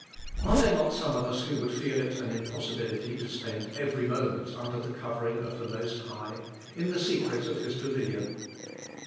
Are there not some of us who would feel it an impossibility to spend every moment under the covering of the Most High, "in the secret of His pavilion?"